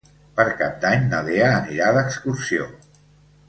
Per Cap d'Any na Lea anirà d'excursió.